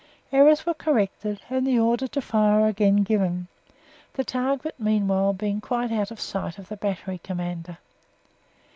Errors were corrected and the order to fire again given, the target meanwhile being quite out of sight of the battery commander.